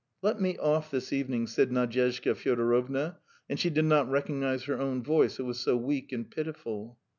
"Let me off this evening," said Nadyezhda Fyodorovna, and she did not recognise her own voice, it was so weak and pitiful.